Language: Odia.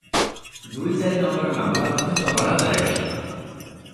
ଦୁଇ ଚାରି ନମ୍ବର ମାମଲା ମଧ୍ୟ ଚଲାଣ ଦେଲେଣି ।